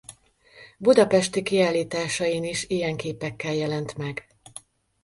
Budapesti kiállításain is ilyen képekkel jelent meg.